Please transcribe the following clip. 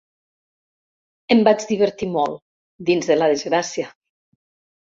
Em vaig divertir molt, dins de la desgràcia.